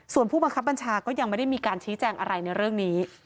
ส่วนผู้บังคับบัญชาก็ยังไม่ได้มีการชี้แจงอะไรในเรื่องนี้